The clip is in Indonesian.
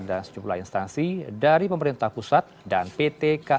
dan sejumlah instansi dari pemerintah pusat dan pt kai